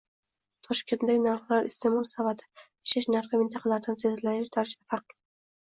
Toshkentdagi narxlar, iste'mol savati, yashash narxi mintaqalardan sezilarli darajada farq qiladi